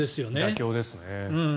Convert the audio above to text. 妥協ですね。